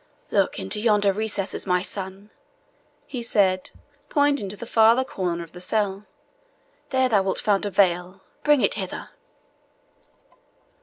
"Look into yonder recess, my son," he said, pointing to the farther corner of the cell; "there thou wilt find a veil bring it hither."